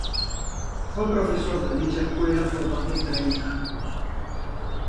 Fue profesor de dicha escuela por más de treinta años.